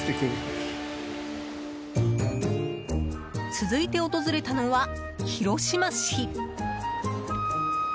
続いて訪れたのは広島市。